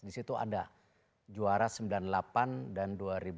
di situ ada juara sembilan puluh delapan dan dua ribu delapan belas